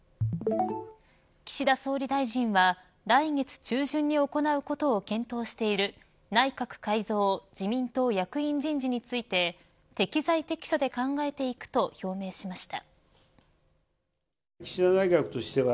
岸田総理大臣は来月中旬に行うことを検討している内閣改造・自民党役員人事について適材適所で考えていくと表明しました。